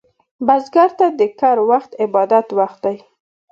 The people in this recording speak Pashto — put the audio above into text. بزګر ته د کر وخت عبادت وخت دی